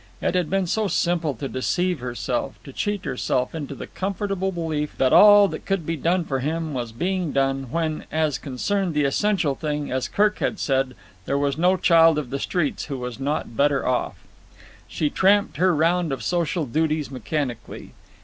It had been so simple to deceive herself, to cheat herself into the comfortable belief that all that could be done for him was being done, when, as concerned the essential thing, as Kirk had said, there was no child of the streets who was not better off. She tramped her round of social duties mechanically.